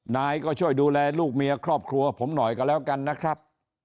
นายก็ช่วยดูแลลูกเมียครอบครัวผมหน่อยก็แล้วกันนะครับ